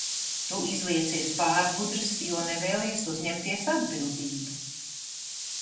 Tu izliecies pārgudrs, jo nevēlies uzņemties atbildību!